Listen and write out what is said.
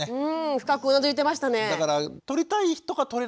深くうなずいてましたね。